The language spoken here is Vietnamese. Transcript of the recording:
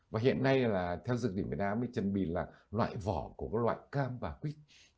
và hiện nay là theo dự định việt nam thì trần bì là loại vỏ của các loại cam và quýt